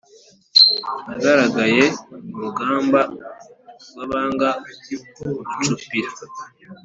Nagaragaye mu rugamba rw' abanga gucupira !